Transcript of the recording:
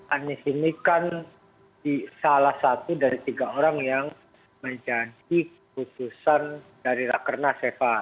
anies ini kan salah satu dari tiga orang yang mencari keputusan dari raker nasifah